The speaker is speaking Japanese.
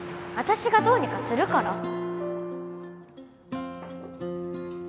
私がどうにかするから